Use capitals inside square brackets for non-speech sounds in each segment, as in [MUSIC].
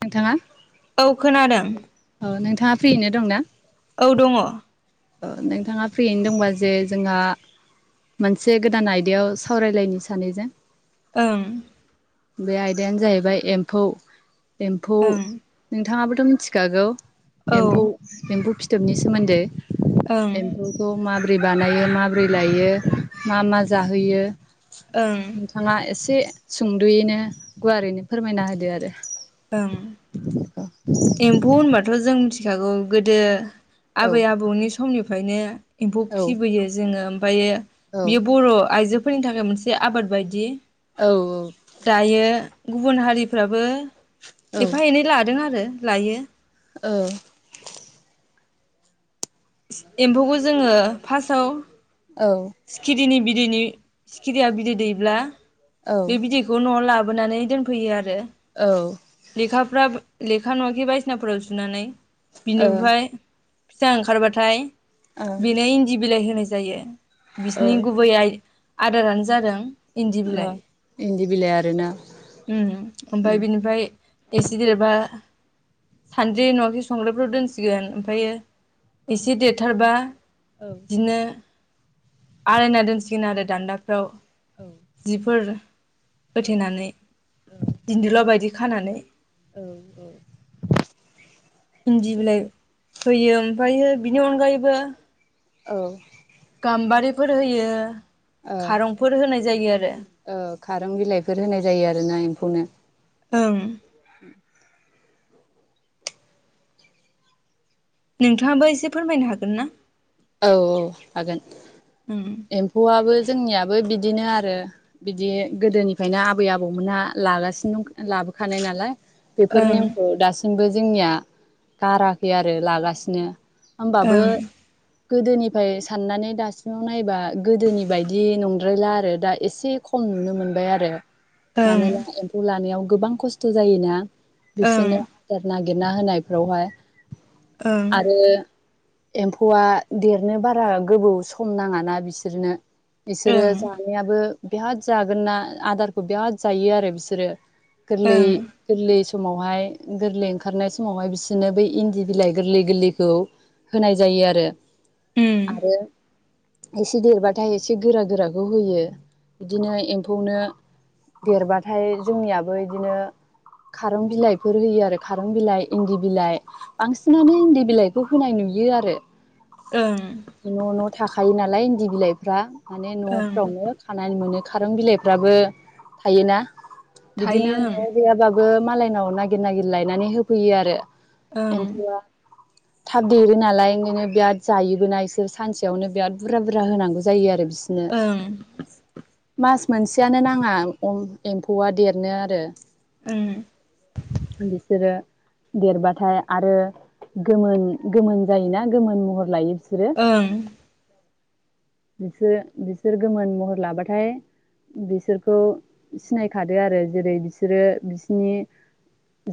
नोंथाङा। औ खोनादों। औ नोंथाङा फ्रियैनो दं ना? औ दङ। नोंथाङा फ्रियैनो दंबा जे जोंहा मोनसे गोदान आयदायाव सावरायलायनो सानैजों। ओं बे आयदायानो जाहैबाय एम्फौ एम्फौ ओं नोंथाङाबो थ' मिथिखागौ औ एम्फौ एम्फौ फिथ फिथोबनि सोमोन्दै ओं एम्फौ खौ माब बोरै बानायो माबोरै लायो मा मा जाहोयो? ओं नोंथाङा एसे सुंद'यैनो गुवारैनो फोरमायना होदो आरो। ओं एम्फौ होनबा थ' जों मिथिखागौ गोदो औ आबै आबौनि समनि फायनो एम्फौ औ फिबोयो जोङो ओमफायो बियो बर' आइजो फोरनि थाखाय मोनसे आबाद बायदि औ दायो गुबुन हारिफ्राबो एफा एनै लादों आरो। लायो। ओ एम्फौखौ जोङो फास्टआव। औ। रिनि बिदैनि सिखिरिया बिदै दैब्ला बे औ बिदैखौ न'आव लाब बोनानै दोनफैयो आर रो औ लेखाफ्रा लेखा नङाखि बायसिनाफोराव जुनानै ओ बिनिफ्राय फिसा ओंखारबाथाय ओ बेनो इन्दि बिलाइ होनाय जा जायो। ओ बिसिनि गुबै आइ आदारानो जादों-' इन्दि बिलाइ ओ इन्दि बिलाइ आरोना ओम ओमफाय उम बिनिफाय एसे देरबा सानद्रि नङाखि संग्रायफ्राव दोनसिगोन ओमफायो इसे देरथारबा बिदिनो आलायना दोनसिगोन आरो दान्दाफ्राव जिफोर होथेनानै दिनदौला बायदि । खानानै औ औ इन्दि बिलाइ होयो ओमफायो बिनि अनगायैबो औ गाम्बारिफोर होयो ओ खारंफोर होनाय जायो आरो खारं बिलाइफोर होनाय जायो आरो ना एम्फौनो ओं उम नोंथाङाबो एसे फोरमायनो हागोन ना? औ औ हागोन ओं एम्फौआबो जोंनियाबो बिदिनो आरो बिदि गोदोनिफ्रायनो आबै आबौमोनहा लागासिनो दं लाबोखानाय नालाय बेफोर ओं नेमखौ दास सिमबो जोंनिया गाराखै आरो लागासिनो। होमबाबो ओं गोदोनिफ्राय साननानै दासिमाव नायबा गोदोनि बायदि नंद्रायला आरो दा एसे खम नुनो मोनबाय आरो मानोना एम्फौ लानायाव गोबां खस्थ' जायोना ओं बिसिनो आदार नागिर गिरना होनाय फ्रावहाय ओं आरो एम्फौआ देरनो बारा गोबौ सम नाङाना बिसोरनो बिसोरो ओं ओं जानायाबो बिराद जागोन ना आदारखौ बिराद जायो आरो बिसोरो गोरलै ओं गोरलै समावहाय गोरलै ओंखारनाय समावहाय बिसोरनो बै इन्दि बिलाइ गोरलै गोरलैखौ होनाय जायो आरो उम आरो एसे देरबाथाय एसे गोरा गोराखौ होयो बिदिनो एम्फौनो देरबाथाय जोंनियाबो इदिनो खारं बिलाइफोर होयो आरो खारं बिलाइ इन्दि बिलाइ बांसिनानो इन्दि बिलाइखौ होनाय नुयो आरो ओं न' न' थाखायो नालाय इन्दि बिलाइफ्रा माने ओं न'फ्रावनो खानानै मोनो खारं बिलाइफ्राबो थायोना बिदिनो थायो न'याव गैयाबा बो मालायनाव नागिर नागिर लायनानै होफैयो आरो ओं एम्फौआ थाब देरो नालाय नोङो बिराद जायोबोना इसोर सानसेयावनो बिराद बुरजा बुरजा होनांगौ जायो आरो बि बिसनो ओं मास मोनसेयानो नांङा उम एम्फौआ देरनो आरो ओं बिसोरो देरबाथाय आरो गोमोन गोमोन जायोना गोमोन महर लायो बिसोरो ओं बिसोर बिसोर गोमोन महर लाबाथाय बिसोरखौ सिनायखादो आरो जेरै बिसोरो बिसिनि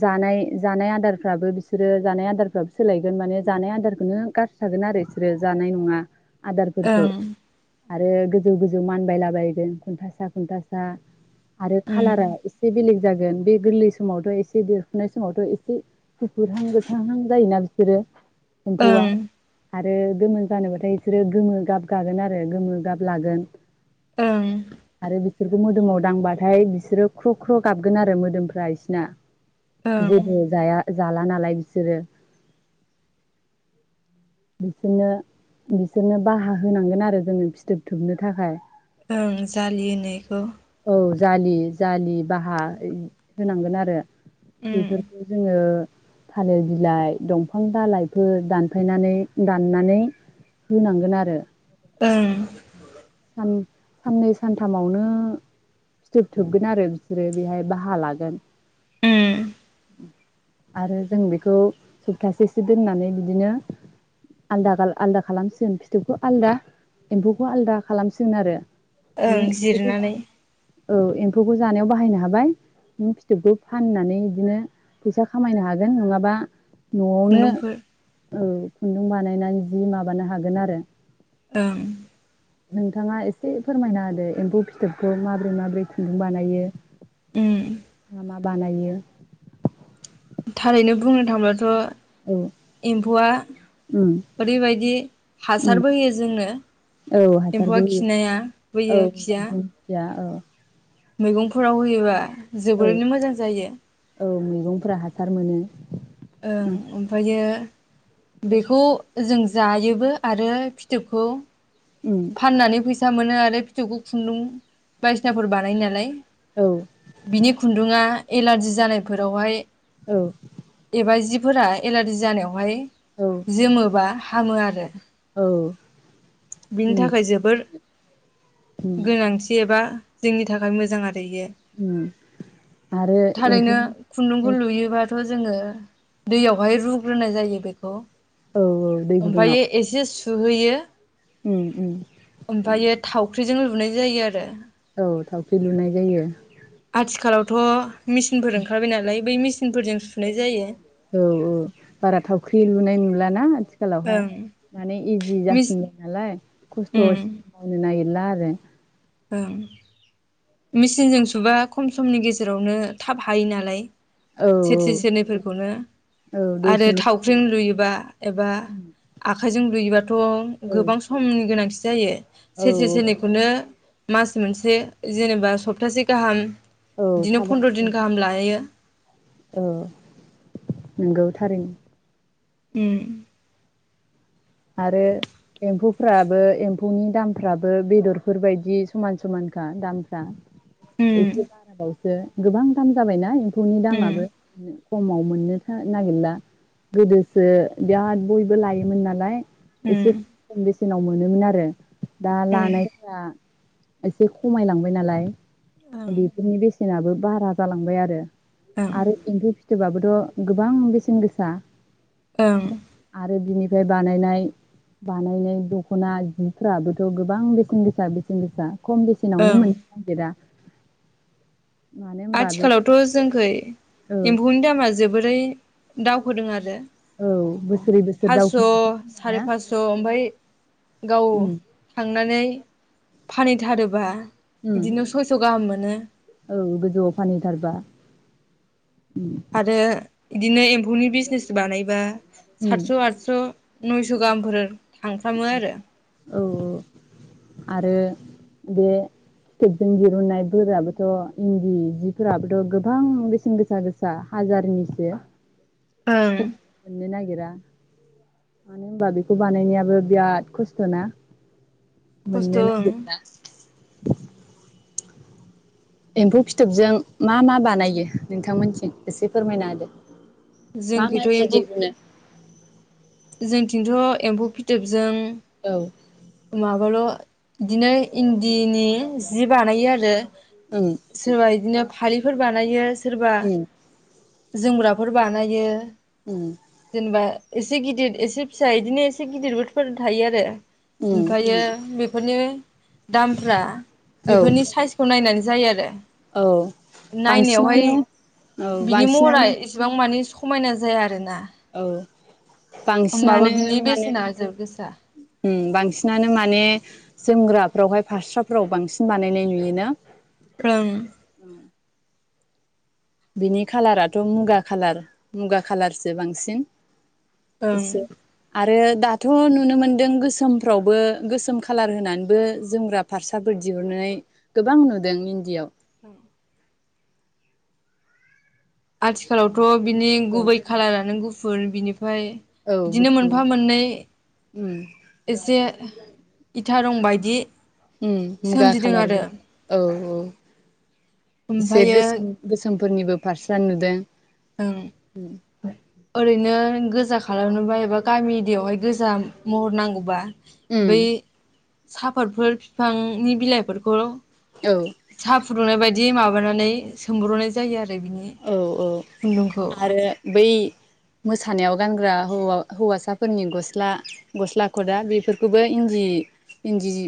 जानाय जानाय आदारफ्राबो बिसोरो जानाय आदारफ्राबो सोलायगोन माने जानाय आदारखौनो गास थागोन आरो इसोरो जानाय नंङा आदार फोरखौ ओं आरो गोजौ-गोजौ मानबायलाबायगोन खुन्थासा खुन्थासा आरो खालारा उम एसे बेलेग जागोन बे गोरलै समावथ' एसे देरफुनाय समावथ' एसे गुफुरहां गोथांहां जायोना बिसोरो एम्फौ आ ओं आरो गोमोन जानोबाथाय बिसोरो गोमो गाब गागोन आरो गोमो गाब लागोन ओं आरो बिसोरखौ मो मोदोमाव दांबाथाय बिसोरो ख्र' ख्र' गाबगोन आरो मोदोमफ्रा इसिना ओं जेबो जाया जाला नालाय बिसोरो बिसोरनो बिसोरनो बाहा होनांगोन आरो जोंङो फिथोब थोबनो थाखाय ओं जालिनिखौ औ जालि जालि बाहा होनांगोन आरो ओं बेफोरखौ जोंङो थालिर बिलाइ दंफां दालाइफोर दान [UNINTELLIGIBLE] फायनानै दाननानै होनांगोन आरो ओं ओ साननै सानथामावनो फिथोब थोबगोन आरो बिसोरो बेहाय बाहा लागोन उम आरो जों बेखौ सप्तासेसो दोननानै बिदिनो आलदा-आलदा खालामसिगोन फिथोबखौ आलदा एम्फौखौ आलदा खालामसिगोन आरो ओं नोङो एम्फौखौ जिरनानै जानो औ एम्फौखौ जानायाव बाहायनो हाबाय नों फिथोबखौ फाननानै बिदिनो फैसा खामायनो हागोन नंङाबा न'आवनो खुन्दुंफोर ओ खुन्दुं बानायनानै जि माबानो हागोन आरो ओं नोंथाङा एसे फोरमायना होदो एम्फौ फिथोबखौ माब्रै माब्रै खुन्दुं बानायो। उम मा मा बानायो थारैनो बुंनो थांब्लाथ' औ एम्फौआ उम ओरैबायदि उम हासारबोहोयो जोंनो औ हासारबो एम्फौआ होयो खिनाया औ बैयो खिया दिंखिया औ मैगंफोराव होयोबा जोबोरैनो मोजां जायो। [UNINTELLIGIBLE] गंफ्रा हासार मोनो। ओं उम ओमफायो बेखौ जों जायोबो आरो फिथोबखौ उम फाननानै फैस [UNINTELLIGIBLE] मोनो आरो फिथौखौ खुन्दुं बायदिसिनाफोर बानायो नालाय औ बिनि खुन्दुंआ एलारजि जानायफोरावहाय औ एबा जिब फोर एलारजि जानायावहाय औ जोमोबा हामो आरो औ बिनि नंगौ थाखाय जोबोर उम गोनांथि एबा जोंनि थाखाय मोजां आर उम आरो [UNINTELLIGIBLE] थारैनो एम्फौनि खुन्दुंखौ एम्फौनि लुयोबाथ' जोंङो दैयावहाय रुग्रोनाय जायो बेखौ औ औ दै ओमफाय एसे सु दुहैयो उ उ थावख्रिजों लुनाय जायो आरो [UNINTELLIGIBLE] थावख्रि लुनाय जायो। आथिखालावथ' मिसिनफोर ओंखारबाय नालाय बै मिस चिनफोरजों सुनाय जायो औ औ बारा थावख्रि लुनाय नुलाना आथिखालावहाय ओं माने इजि मिस जासिनबाय नालाय खस्थ' उम [UNINTELLIGIBLE] नागिरला आरो [UNINTELLIGIBLE] ओ मेचिनजों सुबा खम समनि गेजेरावनो थाब हायो नालाय सेरसे औ सेरनैफोरखौनो औ आरो दसेनो जायो थावख्रिजों लुयोबा एबा आखाइजों लुयोबा थ' औ गोबां समनि गोनांथि जायो औ सेरसे सेरनैखौनो मास मोनसे जेनेबा सप्तासे गाहाम औ बिदिनो थाबानो फन्द्र दिन गाहाम लायो औ नंगौ थारैनो ओम आरो एम्फौफ्राबो एम्फौनि दामफ्राबो बेदरफोर बायदि समान समानखा दामफ्रा उम एखे गोबां दाम जाबायना मफौनि उम दामाबो खमाव मोननो था नागिरला गोदोसो बिराद बयबो लायोमोन नालाय एसे उम नाव मोनोमोन आरो दा उम लानायफ्रा एसे खमायलांबाय नालाय ओं बेफोरनि बेसेनाबो भारा जालांबाय आरो ओं आरो एम्फौ फिथोबाबो थ' गोबां बेसेन गोसा ओं आरो दिनै ओमफ्राय बानायनाय बानायनाय दख'ना जिफ्राबोथ' गोबां बेसेन गोसा बेसेन गोसा खम बेसेनावनो ओं मोननो नागिरा मानो होनबा बे आथिखालावथ' जोंखै औ एम्फौनि दामा जोबोरै दावखोदों आरो औ बोसोरै बोसोर दावखोनायखौ फासस' बुंबायना साराय फासस' ओमफ्राय गाव थांनानै फानहैथारोबा उम बिदिनो सयस' गाहाम मोनो औ फानहैथारबा आरो इदिनो एम्फौनि बिजनेस बानायबा उम सातस', आतस', नयस' गाहामफोर थांफ्रामो आरो । औ औ आरो बे फिथोबजों दिरुननायफोराबोथ' इन्दि जिफोराबोथ' गोबां बेसेन गोसा गोसा हाजारनिसो ओं खमावनो मोननो नागिरा । मानो होनबा बेखौ बानायनायाबो बिराद खस्थ'ना । खस्थ' मोननो ओं नागिरला । एम्फौ फिथोबजों मा मा बानायो नोंथांमोनथिं एसे फोरमायना होदो । जोंखैथ' एम्फौ जोंनिथिंथ' एम्फौ फिथोबजों औ । माबाल' बिदिनो इन्दिनि जि बानायो आरो उम । सारबा इदिनो फालिफोर बानायो सोरबा उम जोमग्राफोर बानायो उम जेनबा एसे गिदिर एसे फिसा इदिनो एसे गिदिर बोथफोर थायो आरो । उम ओमफायो बि फोरनो दामफ्रा औ बेफोरनि साइजखौ नायनानै जायो आरो औ । नायनायावहाय बांसिनानो औ बिनि महरा बांसिनानो एसेबां मानि स' मायना जाया आरोना । औ बांसिनानो बिनि माने बेसेना जोबोद गोसा उम बांसि नानो माने जोमग्राफोरावहाय फास्राफोराव बांसिन बानायनाय नुयोना? फ्रों बिनि खालाराथ' मुगा खालार मुगा खालारसो बांसिन । ओं । रो दाथ' नुनो मोनदों गोसोमफ्रावबो गोसोम खालार होनानैबो जोमग्रा फास्राफोर दिहुननाय गोबां नुदों इन्दियाव । औ । आथिखालावथ' बिनि औ गुबै खालारानो गु फुर बिनिफ फाय औ बिदिनो गुफुर मोनफा मोननै। उम। एसे इटा रंबायदि। उम मुगा खालारबो औ औ। एसे ओमफ्रायो गोसोम गोसोम‌ब फोरनिबो फारस्रा नुदों। ओं। ओरैनो गोजा खालामनोबा एबा गामि एरियावहाय गोजा महर नांगौबा। उम बै। साफरातफोर बिफांनि बिलाइफोरखौ। औ सा फुदुंनाय बायद दि माबानानै सोमब्रनाय जायो आर रै बिनि। औ औ आरो बै मोसानायाव। गानग्रा हौवाव हौवासाफोरनि गस्ला। गस्ला खदा बेफोरखोब बो इन्दि इन्दिज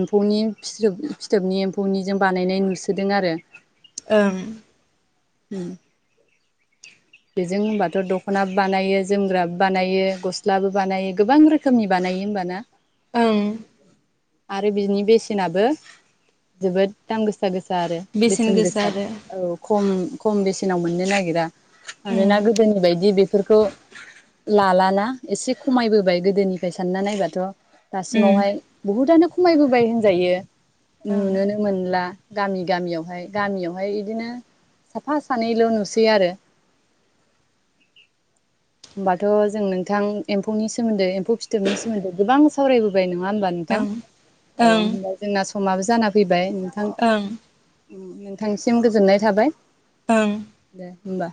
एम्फौनि फोसौब फिथोबनि एम्फौनिजों बानायनाय नुसोदों आरो। ओं। उम बेजों होमबाथ' दकनाबो बानायो जोमग्राबो बानायो गस्लाबो बानायो गोबां रोखोमनि बानायो होमबाना। ओं। आरो बिनि बेसेनाबो जोबोद दाम गोस सा गोसा आरो बेसेन गोसा औ खम खम बेसेनाव मोननो नागिरा‌। ओं मानोना गोदोनि बायदि बेफोरखौ। लालाना एसे खमायबोबाय गोदोनिफ्राय सानना नायबाथ' ओं दासिमावहाय बुहुथानो ख खमायबोबाय होनजायो। ओं नुनोनो मोनला। गामि गामियावहाय गामियावहाय इदिनो। साफा सानैल नुसै आरो। होमबाथ जों नोंथां एम्फौनि सोमोन्दै एम्फौ फिथोबनि सोमोन्दै गोबां सावरायबोबाय नों नङा होनमबा नोंथां ओं औ ओं होमबा जोंना स खमाबो जानानै फैब [UNINTELLIGIBLE] नोंथां। ओं उम नोंथांनिसिम गोजोननाय थाबाय। ओं। होनबा।